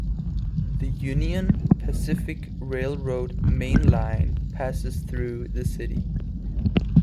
The Union Pacific Railroad mainline passes through the city.